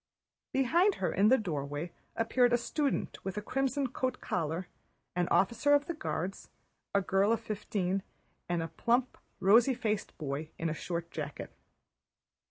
Behind her in the doorway appeared a student with a crimson coat collar, an officer of the Guards, a girl of fifteen, and a plump rosy faced boy in a short jacket.